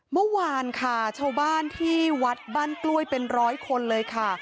เมื่อวานค่ะชาวบ้านที่วัดบ้านกล้วยเป็นร้อยคนเลยค่ะ